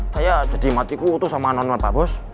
saya jadi mati kutu sama non male pak bos